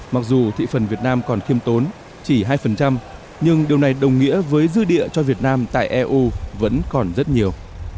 mặc dù thị phần việt nam còn khiêm tốn chỉ hai nhưng điều này đồng nghĩa với dư địa cho việt nam tại eu vẫn còn rất nhiều